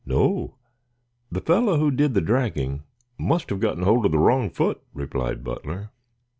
"No; the fellow who did the dragging must have gotten hold of the wrong foot," replied Butler.